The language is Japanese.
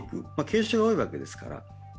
軽症が多いわけですから。